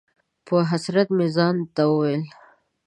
په حسرت مې ځان ته وویل: